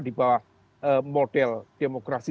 di bawah model demokrasi